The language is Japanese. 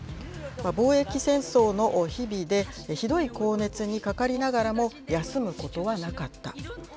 防疫戦争の日々で、ひどい高熱にかかりながらも、休むことはなかった。